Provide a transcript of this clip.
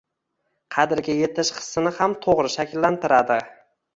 Qadriga yetish hissini ham to‘g‘ri shakllantiradi.